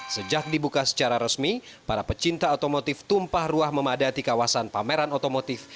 sejak dibuka secara resmi para pecinta otomotif tumpah ruah memadati kawasan pameran otomotif